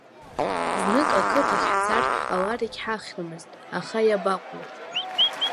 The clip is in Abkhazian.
Знык ақыҭахь ҳцартә ҳҟалар егьҳахьрымызт, аха иабаҟоу!